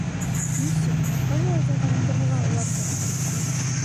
Нисек, ҡайһылай таҙарындырырға уларҙы?